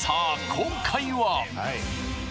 今回は！？